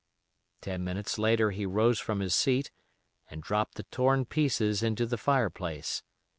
Ten minutes later he rose from his seat and dropped the torn pieces into the fireplace.